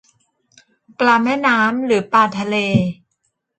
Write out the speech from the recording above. ปลาแม่น้ำหรือปลาทะเล